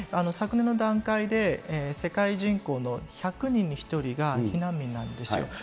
昨年の段階で、世界人口の１００人に１人が避難民なんですよ。